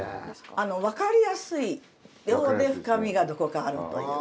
分かりやすいようで深みがどこかあるという。